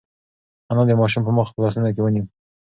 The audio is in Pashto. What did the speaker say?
انا د ماشوم مخ په لاسونو کې ونیو.